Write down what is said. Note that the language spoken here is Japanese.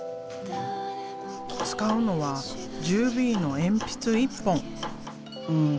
使うのは１０Ｂの鉛筆１本。